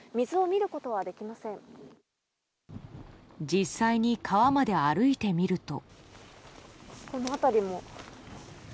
実際に川まで歩いてみると。